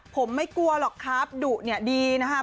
ผมไม่กลัวหรอกครับดุเนี่ยดีนะครับ